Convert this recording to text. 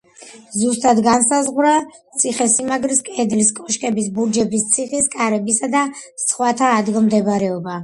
ზუსტად განსაზღვრა ციხესიმაგრის კედლის, კოშკების, ბურჯების, ციხის კარებისა და სხვათა ადგილმდებარეობა.